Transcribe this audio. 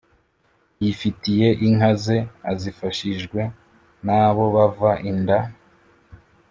yifitiye inka ze, azifashijwe n’abo bava inda